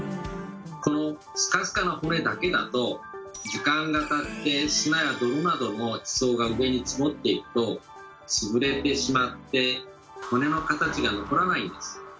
このスカスカな骨だけだと時間がたって砂や泥などの地層が上に積もっていくと潰れてしまって骨の形が残らないんです。